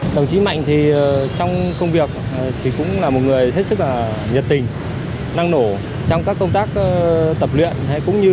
đồng chí mạnh thì trong công việc thì cũng là một người thật sự là nhiệt tình năng nổ trong các công tác tập luyện cũng như là chiến đấu